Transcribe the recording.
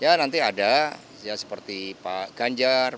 ya nanti ada ya seperti pak ganjar